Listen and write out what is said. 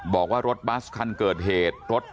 บอกว่ารถบัสคันเกิดเหตุรถ